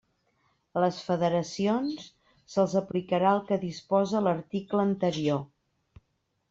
A les federacions, se'ls aplicarà el que disposa l'article anterior.